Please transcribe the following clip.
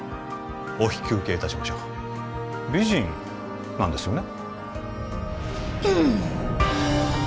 お引き受けいたしましょう美人なんですよね？